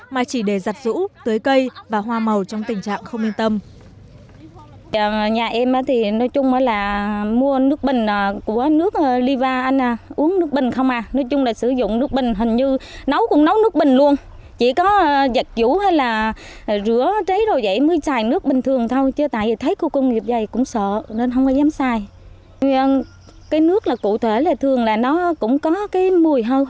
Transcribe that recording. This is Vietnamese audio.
mà chỉ để giặt rũ tưới cây và hoa màu trong tình trạng không yên tâm